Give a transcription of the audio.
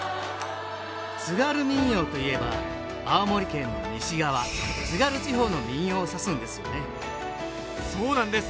津軽民謡といえば青森県の西側津軽地方の民謡を指すんですよねそうなんです。